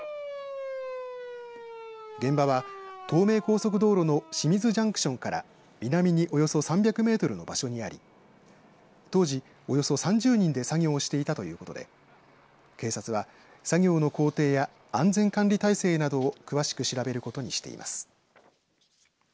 現場は東名高速道路の清水ジャンクションから南におよそ３００メートルの場所にあり当時およそ３０人で作業をしていたということで警察は、作業の工程や安全管理体制などを詳しく調べることにしています。